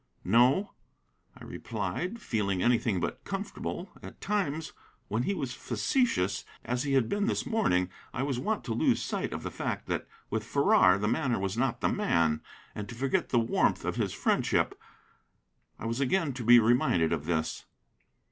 "No," I replied, feeling anything but comfortable. At times when he was facetious as he had been this morning I was wont to lose sight of the fact that with Farrar the manner was not the man, and to forget the warmth of his friendship. I was again to be reminded of this.